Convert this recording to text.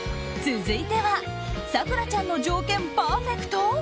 続いては咲楽ちゃんの条件パーフェクト？